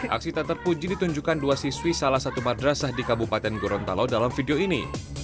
aksi tak terpuji ditunjukkan dua siswi salah satu madrasah di kabupaten gorontalo dalam video ini